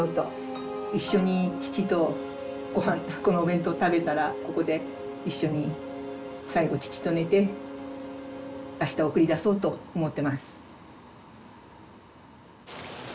一緒に父と御飯このお弁当食べたらここで一緒に最後父と寝てあした送り出そうと思ってます。